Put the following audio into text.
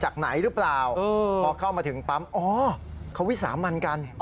อ๋อเขาวิสามันกัน